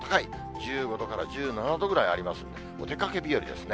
１５度から１７度ぐらいありますんで、お出かけ日和ですね。